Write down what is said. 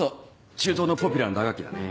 中東のポピュラーな打楽器だね。